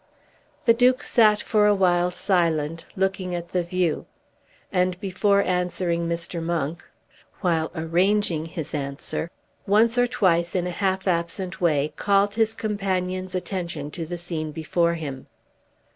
The Duke sat for a while silent, looking at the view, and, before answering Mr. Monk, while arranging his answer, once or twice in a half absent way, called his companion's attention to the scene before him.